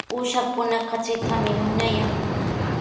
Uushakuna katritami munayan.